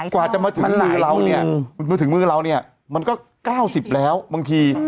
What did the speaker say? กว่าจะมาถึงมือเราเนี่ยมันก็๙๐แล้วบางที